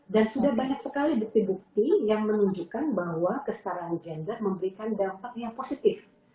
dan sudah banyak sekali bukti bukti yang menunjukkan bahwa kestaraan gender memberikan dampak yang positif